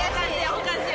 おかしい